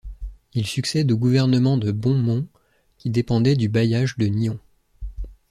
Il succède au gouvernement de Bonmont, qui dépendait du bailliage de Nyon.